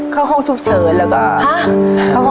เข้าห้องฉุกเฉินแล้วก็